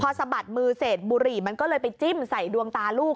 พอสะบัดมือเสร็จบุหรี่มันก็เลยไปจิ้มใส่ดวงตาลูก